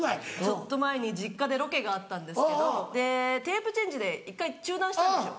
ちょっと前に実家でロケがあったんですけどテープチェンジで一回中断したんですよ。